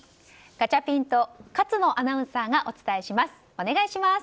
ガチャピンと勝野アナウンサーがお伝えします。